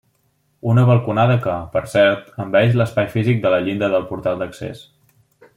Una balconada que, per cert, envaeix l'espai físic de la llinda del portal d'accés.